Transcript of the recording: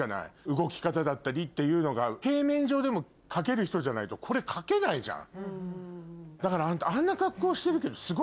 動き方だったりっていうのが平面上でも描ける人じゃないとこれ描けないじゃん。